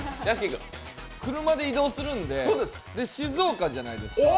車で移動するんで、静岡じゃないですか。